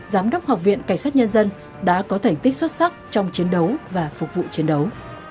giám đốc học viện cảnh sát nhân dân đã có thành tích xuất sắc trong chiến đấu và phục vụ chiến đấu